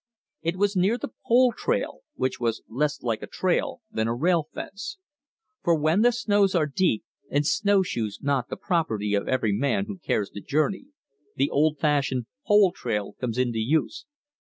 It was near the "pole trail"; which was less like a trail than a rail fence. For when the snows are deep and snowshoes not the property of every man who cares to journey, the old fashioned "pole trail" comes into use.